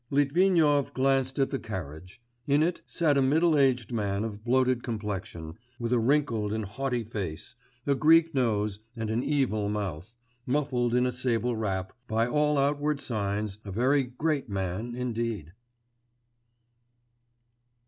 Litvinov glanced at the carriage; in it sat a middle aged man of bloated complexion, with a wrinkled and haughty face, a Greek nose, and an evil mouth, muffled in a sable wrap, by all outward signs a very great man indeed.